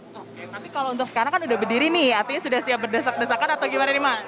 oke tapi kalau untuk sekarang kan udah berdiri nih artinya sudah siap berdesak desakan atau gimana nih mak